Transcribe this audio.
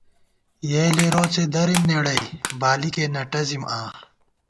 یېلے روڅے دَرِم نېڑَئی، بالِکے نہ ٹَزِم آں